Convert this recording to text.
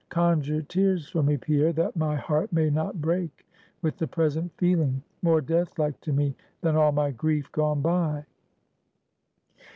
Conjure tears for me, Pierre; that my heart may not break with the present feeling, more death like to me than all my grief gone by!"